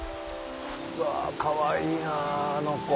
うわかわいいなあのコ。